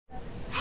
あ！